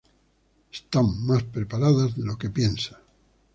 Están más preparadas de lo que piensa.